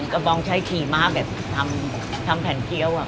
กระบองใช้ขี่ม้าแบบทำแผ่นเกี้ยว